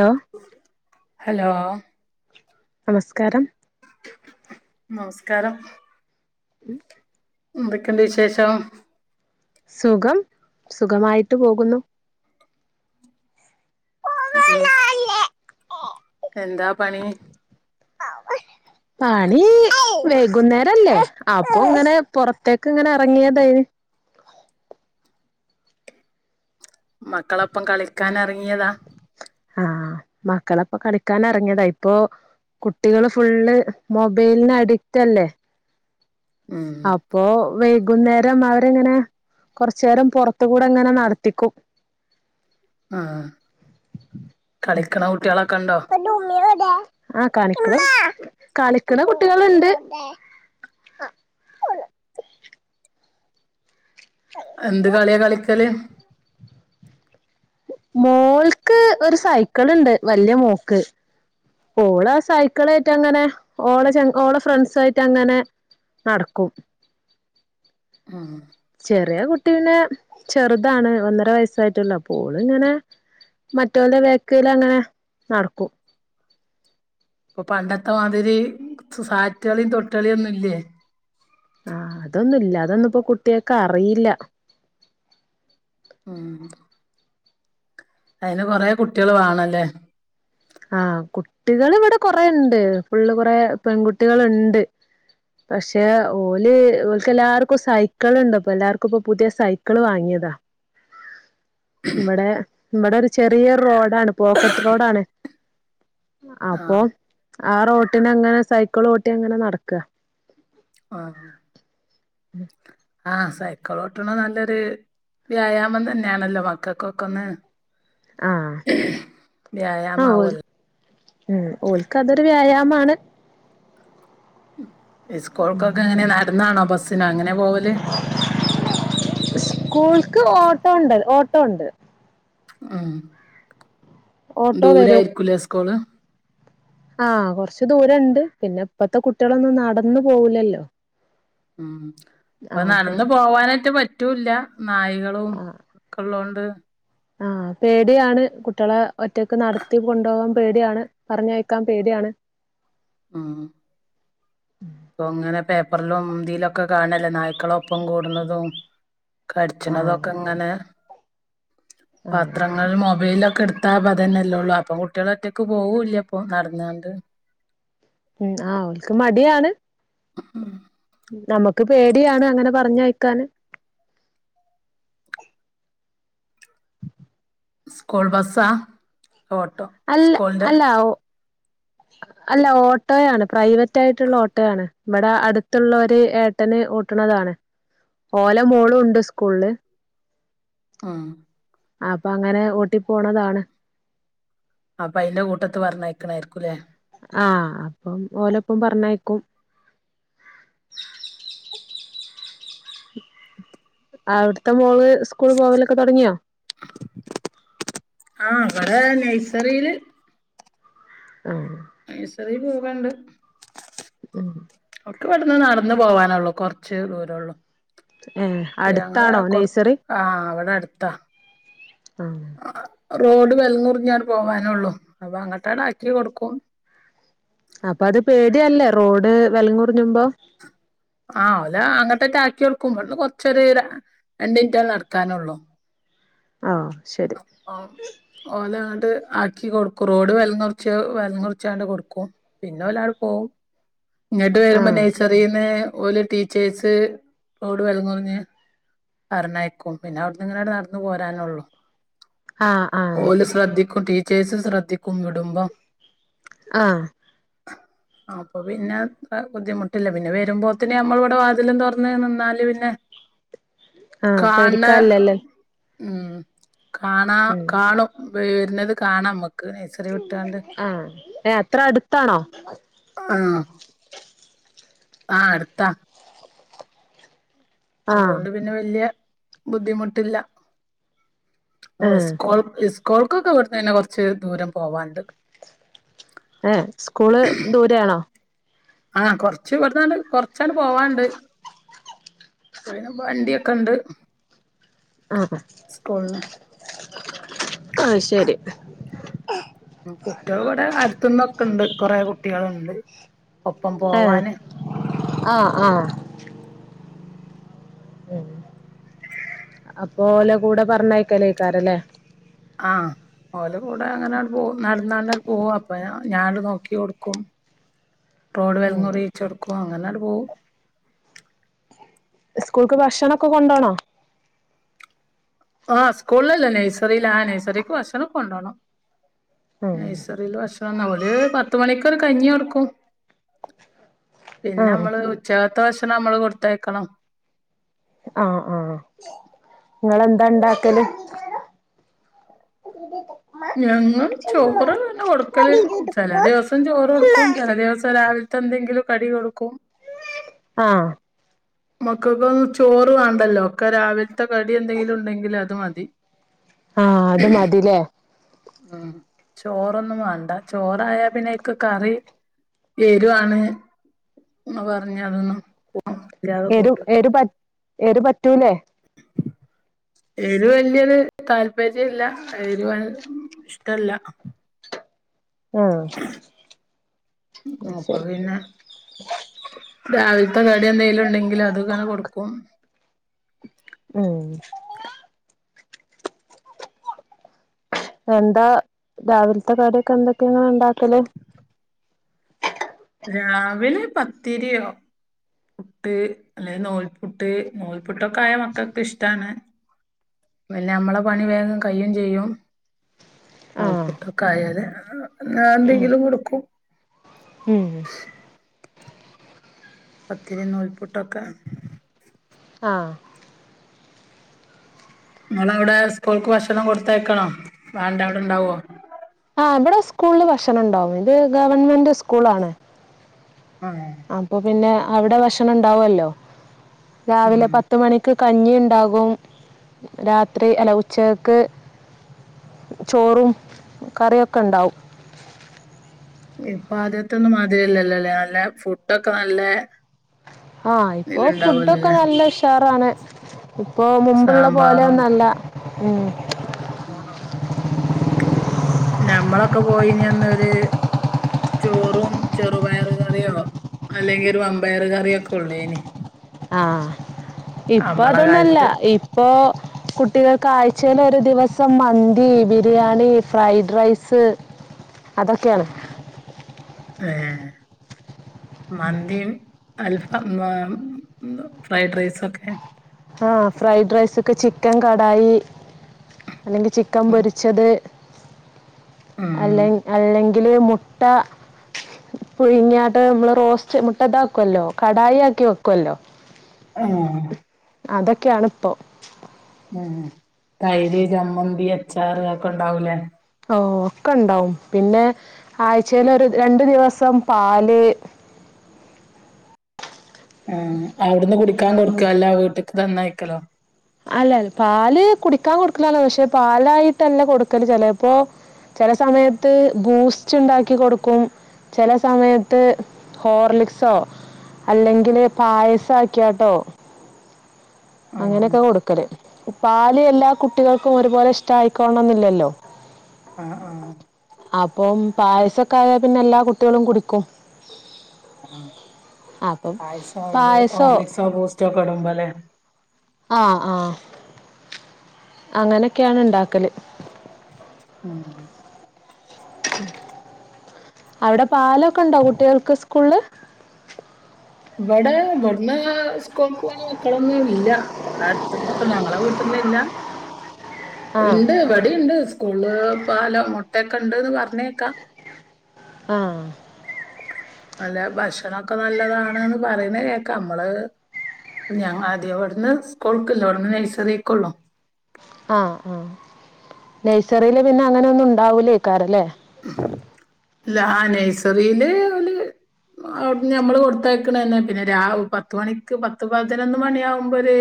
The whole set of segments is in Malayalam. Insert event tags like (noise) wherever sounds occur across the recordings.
ഹലോ ഹലോ നമസ്കാരം നമസ്കാരം ഉം എന്തെക്കെണ്ട് വിശേഷം സുഖം സുഖമായിട്ട് പോകുന്നു ഉം ഓ എന്താ പണി പണി വൈകുന്നേരം അല്ലേ അപ്പൊ ഇങ്ങനെ പൊറത്തേക്ക് ഇങ്ങനെ എറങ്ങിയതെയിനി മക്കളൊപ്പം കളിക്കാൻ എറങ്ങിയതാ ആ മക്കളൊപ്പം കളിക്കാൻ എറങ്ങിയതാ ഇപ്പൊ കുട്ടികൾ ഫുള്ള് മൊബൈൽന് അഡിക്റ്റ് അല്ലെ ഉം അപ്പൊ വൈകുന്നേരം അവരെങ്ങനെ കൊർച്ചേരം പൊർത്തു കൂടെ ഇങ്ങനെ നട്ത്തിക്കും ആ കളിക്ക്ണ കുട്ടാളൊക്കെ ഇൺ പ ഡൂന്ന വടൊ ആ് കളിക്ക കളിക്കടെ കുട്ടികൾുണ്ട് എന്ത് കളിയാ കളിക്കൽ മോൾക്ക് ഒര് സൈക്കൾ ഇണ്ട് വല്ല്യ മോക്ക് ഓൾ ആ സൈക്കളായിറ്റും അങ്ങനെ ഓളെ ചെങ്ങ ഓളെ ഫ്രണ്ട്സ് ആയിറ്റും അങ്ങനെ നടക്കും ആ ചെറിയ കുട്ടി പിന്നെ ചെർതാണ് ഒന്നര വെയസ്സായിട്ട് ഇണ്ട് അപ്പം ഓൾ ഇങ്ങനെ മറ്റോലെ വേക്ക്ൽ അങ്ങനെ നടക്കും ഇപ്പൊ പണ്ടത്തെ മാതിരി സ് സാറ്റ്കളിം തൊട്ട് കളിം ഒന്നും ഇല്ലേ ആ അതൊന്നും ഇല്ല അതൊന്നും ഇപ്പം കുട്ടെക്ക് അറിയില്ല ഉം അയിന് കൊറെ കുട്ടെൾ വാണം ലെ ആ കുട്ടികൾ ഇവടെ കൊറെ ഇണ്ട് ഫുള്ള് കുറെ പെൺകുട്ടികൾ ഇണ്ട് പക്ഷെ ഓല് ഓല്ക്ക് എല്ലാർക്കും സൈക്കൾ ഇണ്ട് അപ്പം എല്ലാർക്കും ഇപ്പം പുതെ സൈക്കൾ വാങ്ങിയതാ ഇവടെ ഇബടെ ഒര് ചെറിയ റോ ഡാണ് പോക്കറ്റ് റോഡാണ് ആ അപ്പൊ ആ റോട്ടിനങ്ങനെ സൈക്കൾ ഓട്ടി അങ്ങനെ നട്ക്കാ ആ ആ സൈക്കളോട്ട്ണെ നല്ലൊര് വ്യായാമം തന്നെയാണല്ലോ മക്കക്കൊക്കെ ഒന്ന് ആഹ് വ്യായാമം ആവു മ് ഓല്ക്ക് അതൊരു വ്യായാമാണ്. ഇസ്കൂൾക്കൊക്കെ എങ്ങനെ നട്ന്നാണോ ബസ്സിനോ എങ്ങനെ പോവല്? ക്ക് ഓട്ടോ ഉണ്ട് ഓട്ടോ ഉണ്ട്. മ്മ് ഓട്ടോ വരും ദൂരായിരിക്കൂലേ സ്കൂള് ആഹ് കൊറച്ചു ദൂരമുണ്ട് പിന്നെ ഇപ്പത്തെ കുട്ടികളൊന്നും നടന്നു പോകുലല്ലോ മ്മ് ഇപ്പൊ നടന്നു പോവാനായിട്ട് പറ്റൂല്ല നായികളും ആഹ് ഒക്കെ ഉള്ളത് കൊണ്ട് ആഹ് പേടിയാണ് കുട്ടികളെ ഒറ്റക്ക് നടത്തി കൊണ്ടുപോകാൻ പേടിയാണ് പറഞ്ഞയക്കാൻ പേടിയാണ് മ്മ് അങ്ങനെ പേപ്പറിലും ഇതിലൊക്കെ കാണല്ലേ നായ്ക്കള് ഒപ്പം കൂടുന്നതും ആഹ് കടിച്ചണതൊക്കെ ഇങ്ങനെ ആഹ് പത്രങ്ങള് മൊബൈലൊക്കെ- എടുത്തപ്പ അതന്നെല്ലേ ഉള്ളൂ അപ്പൊ കുട്ടികള് ഒറ്റക്ക് പോവൂല്ല ഇപ്പൊ നടന്നോണ്ട് മ്മ് ആഹ് ഓല്ക്ക് മടിയാണ് മ്മ് നമ്മുക്ക് പേടിയാണ് അങ്ങനെ പറഞ്ഞയക്കാന് സ്കൂൾ ബസ്സാ ഓട്ടോ അല്ല സ്കൂളിന്റെ അല്ല അല്ല ഓട്ടോയാണ് പ്രൈവറ്റ് ആയിട്ടുള്ള ഓട്ടോയാണ് ഇവിടെ അടുത്തുള്ളവര് ഏട്ടന് ഓട്ടണതാണ് ഓലെ മോളും ഉണ്ട് സ്കൂളില് ആഹ് അപ്പൊ അങ്ങനെ കൂട്ടി പോണതാണ് അപ്പ അയിന്റെ കൂട്ടത്ത് പറഞ്ഞയക്കണായിരിക്കൂല്ലേ ആഹ് അപ്പം ഓലൊപ്പം പറഞ്ഞേക്കും. അവിടുത്തെ മോള് സ്കൂള് പോവലൊക്കെ തുടങ്ങിയോ? ആഹ് കൊഇവടെ നേഴ്സറിയില് ഓഹ് നഴ്സറി പോവണ്ട്. ഉം ഇവിടുന്ന് നദാന്ന് പോകാനുള്ളൂ കുറച്ച് ദൂരേ ഉള്ളൂ. ഏഹ് അടുത്താണോ നഴ്സറി? ത്താ ആ ആഹ് റോഡ് വലന്നുറിഞ്ഞാണ് പോവാനുള്ളൂ അപ്പോ അങ്ങ ട്ടടാക്കി കൊടുക്കും. അപ്പോ അത് പേടിയല്ലേ റോഡ് വേലങ്ങുറിഞ്ഞുമ്പോ? ആഹ് ഓല് അങ്ങട്ടേക്ക് ആക്കികൊടുക്കും ഇവുടുന്ന് കൊറച്ചൊര് രണ്ടിനിറ്റാ നടക്കാനുള്ളൂ. ആഹ് ആ ഓമ് ഓന ട്ട് ആക്കി കൊടുക്കും. റോഡ് വെല്ങ്ങുറ്ച്ച് വെല്ങ്ങുറ്ച്ചാണ്ട് കൊടുക്കും പിന്നെ ഓലാട് പോവും ഇങ്ങട്ട് ആ വരുമ്പോ നഴ്സറീന്ന് ഓല് ടീച്ചേഴ്സ് റോഡ് വെല്ങ്ങുറ്ഞ്ഞ് പറ്ഞ്ഞയക്കും പിന്നെ അവിട്ന്നങ്ങെനാട് നടന്ന് പോരാനുള്ളു ആ ആ ഓല് ശ്രദ്ധിക്കും ടീ ച്ചേഴ്സ് ശ്രദ്ധിക്കും വിടുമ്പം ആ അപ്പൊ പിന്നെ ഏ ബുദ്ധിമുട്ടില്ല പിന്നെ വരുമ്പോത്തിന് നമ്മൾ ഇവിടെ വാതിലും തൊറ്ന്ന് നിന്നാല് പിന്നെ ആ കാണ് പേടിക്കാല്ലല്ലൊ ഉം ക്കാണാ വര്ന്നത് കാണാമ്മ ആ (unintelligible) ത്ര അടുത്താണോ ആ ആ അടുത്താ ആ അതോണ്ട് പിന്നെ വല്ല്യ ബുദ്ധിമുട്ടില്ല ഓ ആ സ്കൂള് സ് കൂള്ക്കൊക്കെ ഇവിടുന്നന്നെ കൊറ്ച്ച് ദൂരം പോവാണ്ട് ഏ സ്കൂള് ദൂരയാണോ ആ കൊറ്ച്ച് വ്ട്ന്നാണ്ട് കൊറച്ചാണ്ട് പോവാണ്ട് ഇപ്പയിന് വണ്ടിയൊക്കണ്ട് ആഹ് സ്കൂള്ല്ന്ന് ആഹ് ശരി ഉം കുട്ടികൾ ഇവിടെ അടുത്തന്നൊക്കണ്ട് കുറെ കുട്ടികള്ണ്ട് ആഹ് ആഹ് ആഹ് മ് അപ്പൊ ഓലകൂടെ പറ്ഞ്ഞയ്ക്കലേക്കാരെല്ലേ ആഹ് ഓലകൂടെ അങ്ങനാട് പോവും നടന്നടന്ന് പോവും ഒപ്പരം ഞാന് നോക്കി കൊടുക്കും റോഡ് വെല്ങ്ങുറീയിച്ചൊടുക്കും അങ്ങനാട് പോവും സ്കൂൾക്ക് ഭക്ഷണൊക്കെ കൊണ്ടോണോ ആഹ് സ്കൂളിലല്ല നഴ്സറിലാ ആ നഴ്സറിക്ക് ഭക്ഷണം കൊണ്ടോണം നഴ്സറില് ഭക്ഷണം ഓല് പത്ത്മണിക്കൊര് കഞ്ഞിയൊടുക്കും ആഹ് പിന്നെമ്മള് ഉച്ചകത്തെ ഭക്ഷണം മ്മള് കൊടുത്തയക്കണം ആഹ് ആഹ് ങ്ങളന്താ ഇണ്ടാക്കല് ഞങ്ങൾ ചോറ് തന്നെ കൊടു ക്കല് ചെലദിവ പ്പം ചോറൊടുക്കും ചെലദിവസം രാവില്ത്തെ എന്തെങ്കിലും കടി കൊടുക്കും ആഹ് മക്കൾക്കൊന്നും ചോറ് വേണ്ടല്ലോ ഒക്കെ രാവിലത്തെ കടി എന്തെങ്കിലും ഉണ്ടെങ്കിൽ അത് മതി. ആഹ് അത് മതില്ലേ? ഉം ചോറൊന്നും വേണ്ട ചോറായാ പിന്നയിക്ക് കറി എരുവാണ്ന്ന് പറഞ്ഞ് അതൊന്നും (unintelligible) എരു എരുപറ്റു എരു പറ്റൂലേ? എരുവ് വല്യരെു താല്പര്യം ഇല്ല എരുവ് ഇഷ്ടല്ല ആഹ് അത് അപ്പൊ ശരി പിന്നെ രാവിലത്തെ കടി എന്തെങ്കി ലും ഉണ്ടെങ്കില് അത്ങ്ങനെ കൊടുക്കും ഉം എന്താ രാവിലത്തെ കടിയൊക്കെ എന്തൊക്കെയങ്ങൾ ഉണ്ടാക്കല് രാവിലെ പത്തിരിയോ പുട്ട് അല്ലെ നൂൽപുട്ട് നൂൽപുട്ടൊക്കെ ആയ മക്കൾക്ക് ഇഷ്ടാണ് പിന്നെ നമ്മളെ പണി വേഗം കയിയെം ചെയ്യും ആഹ് നുൽപൊട്ടൊക്കെ ആയല് (unintelligible) ന്തെങ്കിലും കൊടുക്കും മ്മ് പത്തിരി നൂൽപുട്ടൊക്കെ ആഹ് നിങ്ങൾ അവിടെ സ്കൂൾക്ക് ഭക്ഷണം കൊടുത്തയക്കണോ വേണ്ട അവിടെ ഇണ്ടാവുവോ ആഹ് ഇവിടെ സ്കൂളില് ഭക്ഷണം ഉണ്ടാവും ഇത് ഗവൺമെന്റ് സ്കൂള് ആണ് ആഹ് അപ്പൊ പിന്നെ അവിടെ ഭക്ഷണം ഉണ്ടാവല്ലോ ഉം രാവിലെ പത്ത് മണിക്ക് കഞ്ഞി ഉണ്ടാകും രാത്രി അല്ല ഉച്ചക്ക് ചോറും കറിയൊക്കെ ഉണ്ടാവും ഇപ്പൊ ആദ്യത്തെ ഒന്നും മാതിരില്ലല്ലോ ല്ലെ നല്ല ഫുഡ് ഒക്കെ നല്ല ആഹ് ഇപ്പോ ഫുഡൊക്കെ ഇതിലുണ്ടാവൂലല്ലേ നല്ല ഉഷാറാണ് ഇപ്പൊ മുമ്പുള്ള പോലെ ഒന്നുല്ല മ്മ് മ്മ് ഞമ്മളൊക്കെ പോയിനി അന്ന് ഒര് ചോറും ചെറുപയർ കറിയോ അല്ലെങ്കിൽ ഒരു വമ്പയർ കറിയെ ഒക്കെ ഒള്ളേനി ആഹ് ഇപ്പൊ അതൊന്നല്ല കാലത്ത് ഇപ്പോ കുട്ടികൾക്ക് ആഴ്ചൽ ഒരു ദിവസം മന്തി ബിരിയാണി ഫ്രൈഡ് റൈസ് അതൊക്കെയാണ് മ്‌ഹ് മന്തിം അൽഫം ഫ്രൈഡ് റൈസ ഒക്കെ ആഹ ഫ്രൈഡ്റൈസ് ഒക്കെ ചിക്കൻ കടായി അല്ലെങ്കിൽ ചിക്കൻ പൊരിച്ചത് ഉം അല്ല അല്ലെ മുട്ട പുഴുങ്ങാട്ട് നമ്മള് റോസ്റ്റ് മുട്ട ഇതാക്കുവല്ലോ കടായി ആക്കി വെക്കുവല്ലോ ആഹ് അതൊക്കെയണ ഇപ്പൊ ഉം തൈര് ചമ്മന്തി അച്ചാർ ഒക്കെ ഉണ്ടാവൂലേ ഓ ഒക്കെ ഉണ്ടാവും പിന്നെ ആഴ്ചൽ ഒരു രണ്ടു ദിവസം പാല് ആ അവിടുന്ന് കുടി ക്കാൻ കൊടുക്കുക അല്ല വീട്ട് നന്നായിക്കല അല്ലൽ പാല് കുടിക്കാൻ കൊടുക്കലല്ലോ പക്ഷെ പാലായിട്ടല്ല കൊടുക്കല് ചെലപ്പോചില സമയത്ത് ബൂസ്റ്റ് ഉണ്ടാക്കി കൊടുക്കും ചില സമയത്ത് ഹോർലിക്സോ അല്ലെങ്കില് പായസം ആക്കിയാട്ടോ ഉം അങ്ങനെയൊക്കെ കൊടുക്കല് പാല് എല്ലാ കുട്ടികൾക്കും ഒരുപോലെ ഇഷ്ട ആയിക്കോണന്നില്ലല്ലോ ആഹ് ആഹ് അപ്പം പായസൊക്കെ ആയാൽ പിന്നെ എല്ലാ കുട്ടികളും കുടിക്കും അപ്പം പായസം (unintelligible) പായസോ ഹോർലിക്സൊ ബൂസ്‌റ്റോ ക്കെടുമ്പലെ ആ ആ അങ്ങനൊക്കെയാണ് ഉണ്ടാക്കല് ഉം അവിടെ പാലൊക്കെ ഇണ്ടൊ കുട്ടികൾക്ക് സ്കൂള്ല് ഇവിടെ ഇവിടുന്ന് സ്കൂൾക്ക് പോണ മക്കളൊന്നും ഇല്ല അടുത്ത്ന്നൊ ക്കെണ്ട് ഞങ്ങളെ വീട്ട്ന്ന് ഇല്ല ആ ഇണ്ട് വിടിണ്ട് സ്കൂള് പാലോ മുട്ടൊക്കെ ഉണ്ട്ന്ന് പറഞ്ഞേക്കാം ആഹ് അല്ല ഭക്ഷണൊക്കെ നല്ലത ണ് പറയുന്ന കേക്ക നമ്മള് (unintelligible) ഇവിടന്ന് സ്കൾക്കില്ല ഇവിട്ന്ന് നഴ്സറിക്കൊള്ളു ആഹ് ആ നഴ്സറിയില് പിന്നെ അങ്ങനൊന്നും ഉണ്ടാവൂലയ്ക്കാരല്ലേ ഇല്ല ആ നഴ്സറിയില് ഓല് അ ഞമ്മള് കൊടുത്തയക്കണന്നെ പിന്നെ രാവ് പത്ത് മണിക്ക് പത്ത് പതിനൊന്ന് മണി ആകുമ്പൊര്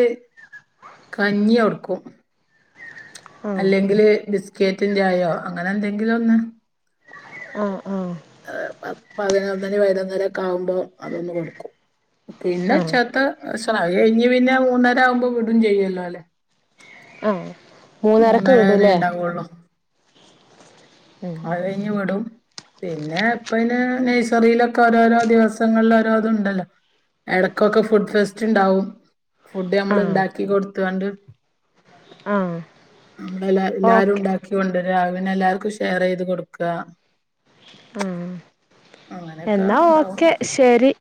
കഞ്ഞി കൊടുക്കും ആ അല്ലെങ്കില് ബിസ് ക്കേറ്റിന്റെ ആയോ അങ്ങനെ എന്തെങ്കിലും ഒന്ന് ആ ആ അ പതിനോ - വൈകുന്നേരം ഒക്ക ആകുമ്പോ അതൊന്ന് കൊടുക്കും പിന്നെ ആ ചാത്ത- അത് കഴിഞ്ഞ് പിന്നെ മൂന്നര ആകുമ്പോ വിടും ചെയ്യല്ലോ അല്ലെ ആഹ് മൂന്നര വരെ ഉണ്ടാവുള്ളൂ ഉം അത് കഴിഞ്ഞ് വിടും പിന്നെ ഇപ്പ അതിന്‌ നഴ്സറിയിലൊക്കെ ഓരോരോ ദിവസങ്ങളിൽ ഓരോ ഉണ്ടല്ലോ, ഇടക്കൊക്കെ ഫുഡ് ഫെസ്റ്റ് ഉണ്ടാവും ഫുഡ് നമ്മൾ ആ ഉണ്ടാക്കി കൊടു- (unintelligible) ആ നമ്മളല്ല എല്ലാരും ഓക്കെ ഉണ്ടാക്കിയോണ്ട് (unintelligible) എല്ലാർക്കും ഇഷ് കെയർ ചെയ്ത് കൊടുക്കുക ആ അങ്ങനെയൊക്കെ എന്നാ ഉണ്ടാവും ഓക്കെ ശരി